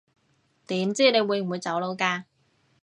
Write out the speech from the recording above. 點知你會唔會走佬㗎